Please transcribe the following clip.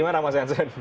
gimana mas jansen